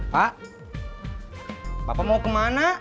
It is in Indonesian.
pak bapak mau kemana